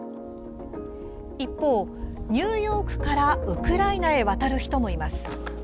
一方、ニューヨークからウクライナへ渡る人もいます。